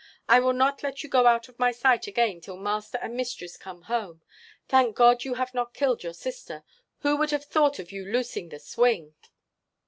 I will not let you go out of my sight again till master and mistress come home. Thank God you have not killed your sister! Who would have thought of your loosing the swing!"